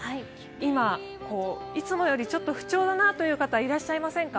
今、いつもよりちょっと不調だなという方、いらっしゃいませんか？